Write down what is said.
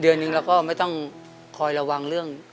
เดือนหนึ่งเราก็ไม่ต้องคอยระวังเรื่อง